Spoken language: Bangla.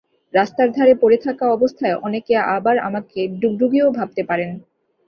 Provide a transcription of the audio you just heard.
রাস্তার ধারে পড়ে থাকা অবস্থায় অনেকে আবার আমাকে ডুগডুগিও ভাবতে পারেন।